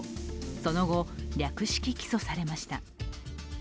その後、略式起訴されました。